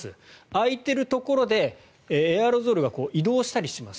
開いているところでエアロゾルが移動したりします。